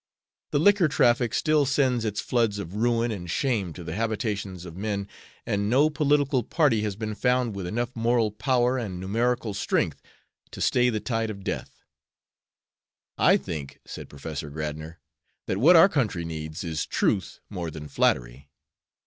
The liquor traffic still sends its floods of ruin and shame to the habitations of men, and no political party has been found with enough moral power and numerical strength to stay the tide of death." "I think," said Professor Gradnor, "that what our country needs is truth more than flattery.